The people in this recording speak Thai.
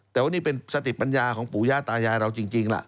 แต่ว่านี่เป็นสติปัญญาของปู่ย่าตายายเราจริงล่ะ